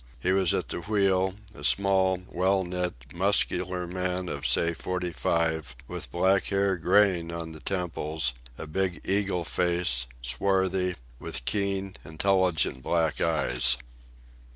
He was at the wheel, a small, well knit, muscular man of say forty five, with black hair graying on the temples, a big eagle face, swarthy, with keen, intelligent black eyes.